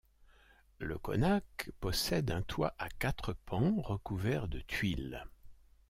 Le konak possède un toit à quatre pans recouvert de tuiles.